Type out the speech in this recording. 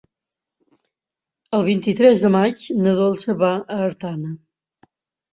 El vint-i-tres de maig na Dolça va a Artana.